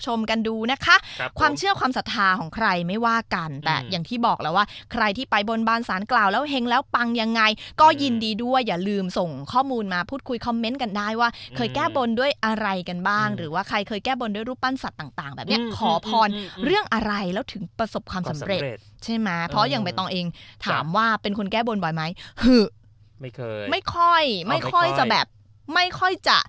ชอบม้าลายชอบเป็นไปได้เห็นมีความสวยงามเห็นมีความแปลกหรือแบบถูกใจท่านอ่ะ